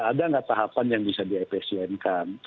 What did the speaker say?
ada nggak tahapan yang bisa diefesienkan